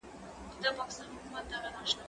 زه د ښوونځی لپاره امادګي نيولی دی؟!